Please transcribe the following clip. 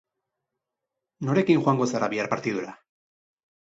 Norekin joango zara bihar partidura?